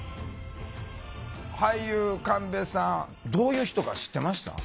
俳優神戸さんどういう人か知ってました？